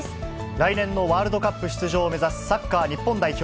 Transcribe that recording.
来年のワールドカップ出場を目指すサッカー日本代表。